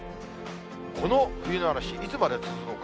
この冬の嵐、いつまで続くのか。